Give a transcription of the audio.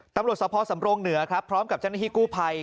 ตำรวจสภสัมโลงเหนือครับพร้อมกับจันทริกู้ภัย